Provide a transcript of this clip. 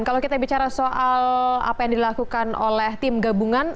kalau kita bicara soal apa yang dilakukan oleh tim gabungan